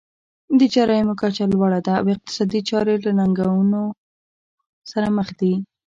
د جرایمو کچه لوړه ده او اقتصادي چارې له ننګونو سره مخ دي.